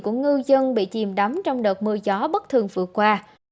của ngư dân bị chìm đắm trong đợt mưa gió bất thường vừa qua